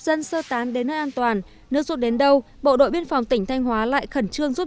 dân sơ tán đến nơi an toàn nước rút đến đâu bộ đội biên phòng tỉnh thanh hóa lại khẩn trương giúp